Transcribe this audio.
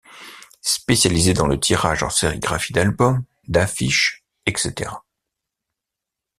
Spécialisée dans le tirage en sérigraphie d'albums, d'affiches, etc.